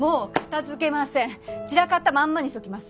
散らかったまんまにしておきます。